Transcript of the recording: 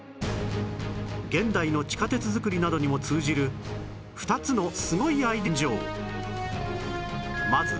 現代の地下鉄づくりなどにも通じる２つのすごいアイデアが誕生